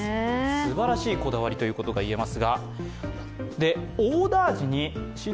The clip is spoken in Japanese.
すばらしいこだわりということがいえます。